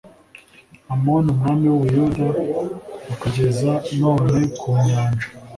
Amoni umwami w u Buyuda ukageza none kunyanja